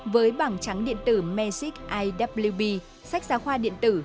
với bảng trắng điện tử magic iwb sách giáo khoa điện tử